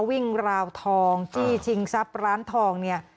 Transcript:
วิ่งราวทองจี้ชิงทรัพย์ร้านทองเนี่ย